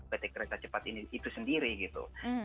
pt kereta cepat ini itu sendiri gitu